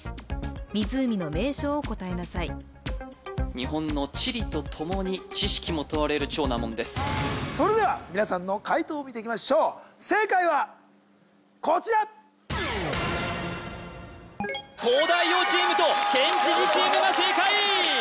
日本の地理とともに知識も問われる超難問ですそれでは皆さんの解答を見ていきましょう正解はこちら東大王チームと県知事チームが正解！